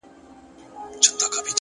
د پخلي لوګی د کور د شتون نښه وي.!